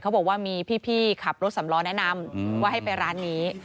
เขาบอกว่ามีพี่ขับรถสำล้อแนะนำว่าให้ไปร้านนี้